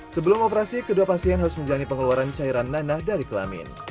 sebelum operasi kedua pasien harus menjalani pengeluaran cairan nana dari kelamin